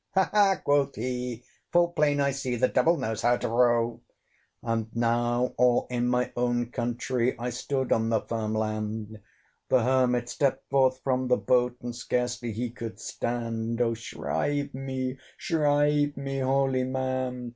"Ha! ha!" quoth he, "full plain I see, The Devil knows how to row." And now, all in my own countree, I stood on the firm land! The Hermit stepped forth from the boat, And scarcely he could stand. "O shrieve me, shrieve me, holy man!"